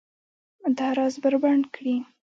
دا راز بربنډ کړي